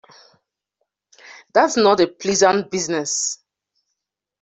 That's not a pleasant business.